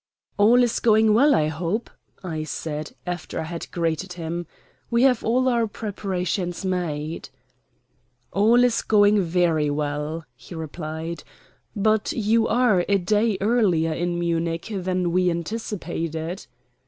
"All is going well, I hope," I said, after I had greeted him. "We have all our preparations made." "All is going very well," he replied. "But you are a day earlier in Munich than we anticipated."